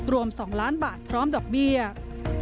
รวม๒ล้านบาทพร้อมดอกเบี้ย